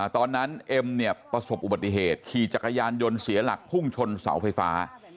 เอ็มเนี่ยประสบอุบัติเหตุขี่จักรยานยนต์เสียหลักพุ่งชนเสาไฟฟ้า